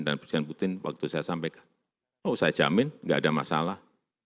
dan presiden putin waktu saya sampaikan oh saya jamin enggak ada masalah